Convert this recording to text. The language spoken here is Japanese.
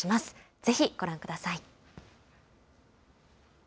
ぜひ、ご覧ください。